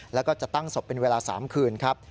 แล้วก็จะตั้งศพเป็นเวลา๓คืนครับ